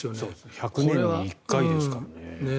１００年に１回ですからね。